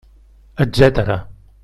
Etcètera.